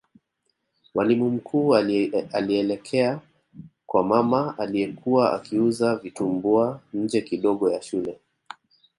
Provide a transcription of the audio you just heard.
mwalimu mkuu alielekea kwa mama aliyekuwa akiuza vitumbua nje kidogo ya shule